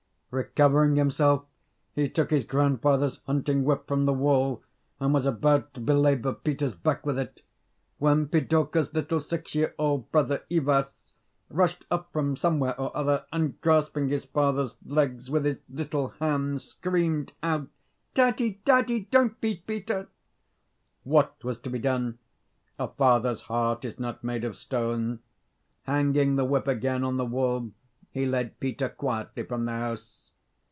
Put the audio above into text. Recovering himself, he took his grandfather's hunting whip from the wall, and was about to belabour Peter's back with it, when Pidorka's little six year old brother Ivas rushed up from somewhere or other, and, grasping his father's legs with his little hands, screamed out, "Daddy, daddy! don't beat Peter!" What was to be done? A father's heart is not made of stone. Hanging the whip again on the wall, he led Peter quietly from the house.